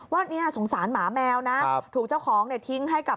ว่าเนี่ยสงสารหมาแมวนะถูกเจ้าของทิ้งให้กับ